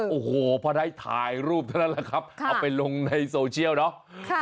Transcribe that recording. โอ้โหพอได้ถ่ายรูปเท่านั้นแหละครับเอาไปลงในโซเชียลเนาะ